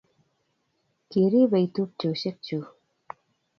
Kiripei tupcheshek choo